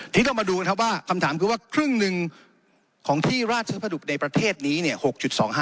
ทีนี้ต้องมาดูกันครับว่าคำถามคือว่าครึ่งหนึ่งของที่ราชพดุกในประเทศนี้เนี่ย